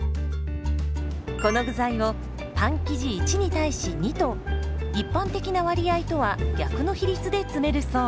この具材をパン生地１に対し２と一般的な割合とは逆の比率で詰めるそう。